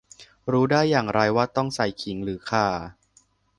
รู้ได้อย่างไรว่าต้องใส่ขิงหรือข่า